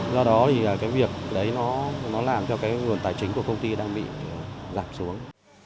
do đó thì cái việc đấy nó làm cho cái nguồn tài chính của công ty đang bị giảm xuống